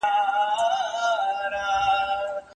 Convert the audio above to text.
چي زاغان مي خوري ګلشن او غوټۍ ورو ورو